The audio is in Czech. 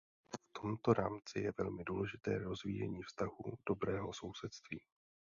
V tomto rámci je velmi důležité rozvíjení vztahů dobrého sousedství.